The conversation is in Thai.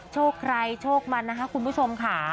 โชคใครโชคมันนะคะคุณผู้ชมค่ะ